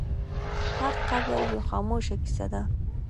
هر قبر یوه خاموشه کیسه ده.